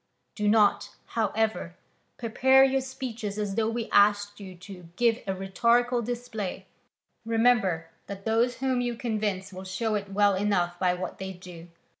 Do not, however, prepare your speeches as though we asked you to give a rhetorical display: remember that those whom you convince will show it well enough by what they do.